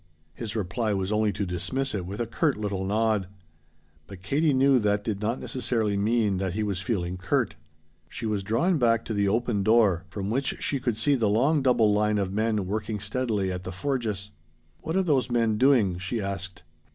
His reply was only to dismiss it with a curt little nod. But Katie knew that did not necessarily mean that he was feeling curt. She was drawn back to the open door from which she could see the long double line of men working steadily at the forges. "What are those men doing?" she asked.